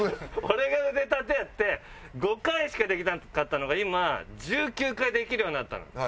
俺が腕立てやって５回しかできなかったのが今１９回できるようになったの。